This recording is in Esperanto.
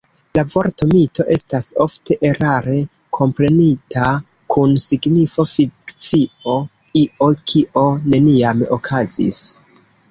La vorto mito estas ofte erare komprenita kun signifo fikcio, io kio neniam okazis.